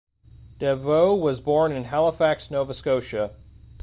Deveaux was born in Halifax, Nova Scotia.